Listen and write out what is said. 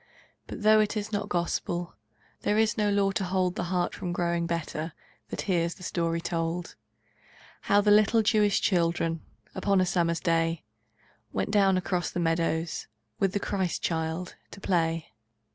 But though it is not Gospel, There is no law to hold The heart from growing better That hears the story told: How the little Jewish children Upon a summer day, Went down across the meadows With the Child Christ to play.